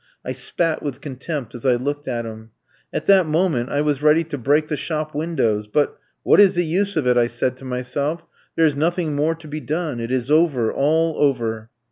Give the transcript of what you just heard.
I spat with contempt as I looked at him. At that moment I was ready to break the shop windows, but 'What is the use of it?' I said to myself; 'there is nothing more to be done: it is over, all over.'